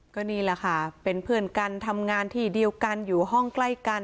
ก็นี่แหละค่ะเป็นเพื่อนกันทำงานที่เดียวกันอยู่ห้องใกล้กัน